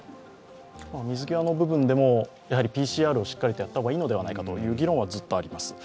水際の部分でもＰＣＲをしっかりした方がいいのではないかという議論はずっとあります。